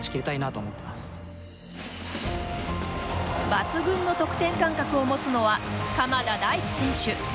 抜群の得点感覚を持つのは鎌田大地選手。